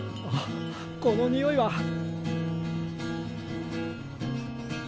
あっこの匂いは！